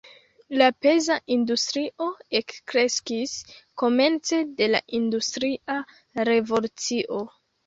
La peza industrio ekkreskis komence de la industria revolucio.